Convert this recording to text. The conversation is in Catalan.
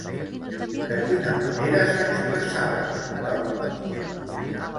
De quina manera s'expressava, doncs?